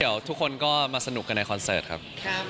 เดี๋ยวทุกคนก็มาสนุกกันในคอนเสิร์ตครับ